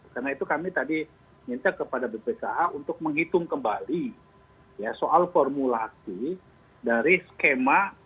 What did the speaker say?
karena itu kami tadi minta kepada bpkh untuk menghitung kembali soal formulasi dari skema